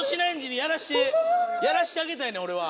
やらしてあげたいねんおれは。